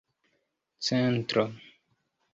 centro